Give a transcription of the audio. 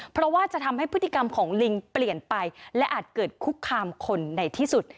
เพราะว่าจะทำให้พฤติกรรมของลิงเปลี่ยนไปและอาจเกิดคุกคามคนในที่สุด